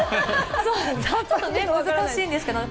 ちょっとね、難しいんですけどね。